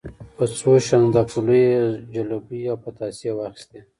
په څو شانداپولیو یې زلوبۍ او پتاسې واخیستې.